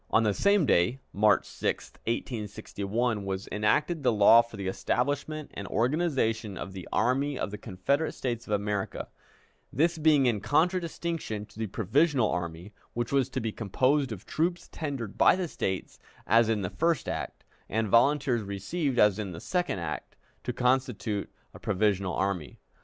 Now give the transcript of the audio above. On the same day (March 6, 1861) was enacted the law for the establishment and organization of the Army of the Confederate States of America, this being in contradistinction to the provisional army, which was to be composed of troops tendered by the States, as in the first act, and volunteers received, as in the second act, to constitute a provisional army.